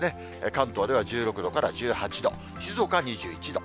関東では１６度から１８度、静岡は２１度。